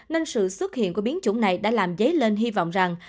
nên sự xuất hiện của biến chủng này đã làm dấy lên hy vọng rằng